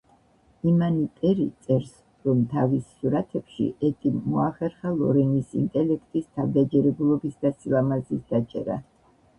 იმანი პერი წერს, რომ თავის სურათბში, ეტიმ მოახერხა ლორენის ინტელექტის, თავდაჯერებულობის და სილამაზის დაჭერა.